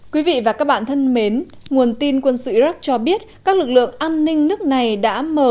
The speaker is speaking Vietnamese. quý vị và các bạn thân mến nguồn tin quân sự iraq cho biết các lực lượng an ninh nước này đã mở